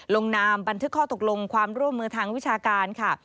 ลงนามบันทึกข้อตกลงความร่วมมือทางวิชาการค่ะ